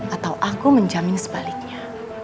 atau aku menjamin sebaliknya